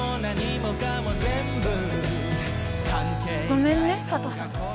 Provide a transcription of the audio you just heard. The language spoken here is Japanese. ごめんね佐都さん。